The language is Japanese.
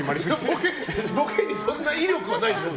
ボケにそんな威力はないでしょ。